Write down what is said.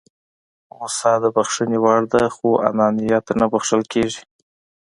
غوسه د بښنې وړ ده خو انانيت نه بښل کېږي.